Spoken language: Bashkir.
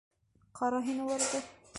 Ҡара һин уларҙы!